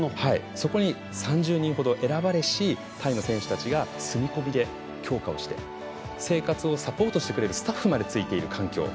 ３０人ほど選ばれしタイの選手が住み込みで強化をして生活をサポートしてくれるスタッフまでついている環境